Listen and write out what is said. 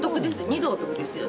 ２度お得ですよ。